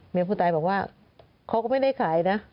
ผู้ตายบอกว่าเขาก็ไม่ได้ขายนะ